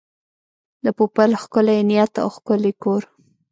د پوپل ښکلی نیت او ښکلی کور.